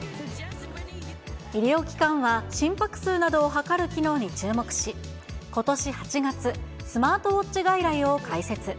医療機関は心拍数などを測る機能に注目し、ことし８月、スマートウォッチ外来を開設。